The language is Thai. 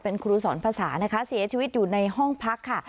เป็นครูสอนภาษานะคะเสียชีวิตอยู่ในห้องพักค่ะ